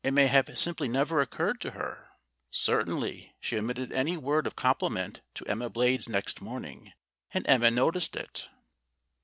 It may have simply never oc curred to her. Certainly she omitted any word of compliment to Emma Blades next morning, and Emma noticed it.